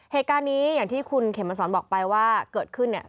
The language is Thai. เหตุการณ์นี้อย่างที่คุณเข็มมาสอนบอกไปว่าเกิดขึ้นเนี่ย